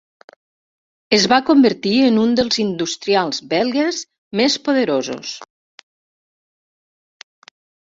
Es va convertir en un dels industrials belgues més poderosos.